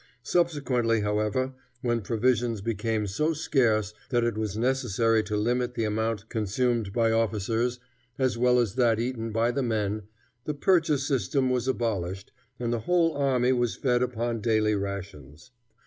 Subsequently, however, when provisions became so scarce that it was necessary to limit the amount consumed by officers as well as that eaten by the men, the purchase system was abolished, and the whole army was fed upon daily rations.